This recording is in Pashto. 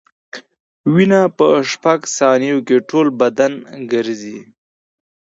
وینه په شپږ ثانیو کې ټول بدن ګرځي.